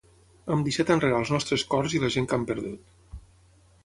Hem deixat enrere els nostres cors i la gent que hem perdut.